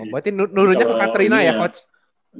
berarti nurutnya ke katrina ya coach